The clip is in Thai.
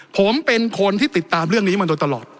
ผมเป็นคนที่ติดตามเรื่องนี้มาโดยตลอด